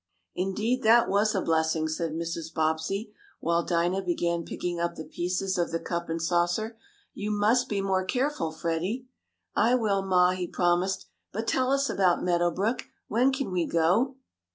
"Indeed that was a blessing," said Mrs. Bobbsey, while Dinah began picking up the pieces of the cup and saucer. "You must be more careful, Freddie." "I will, ma," he promised. "But tell us about Meadow Brook. When can we go?"